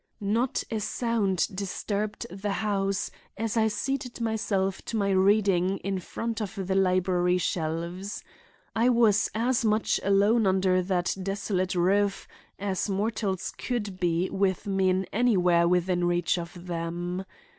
"Not a sound disturbed the house as I seated myself to my reading in front of the library shelves. I was as much alone under that desolate roof as mortal could be with men anywhere within reach of him.